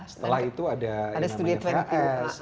setelah itu ada yang namanya vhs